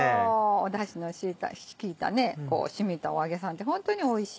だしの利いた染みたお揚げさんってホントにおいしいから。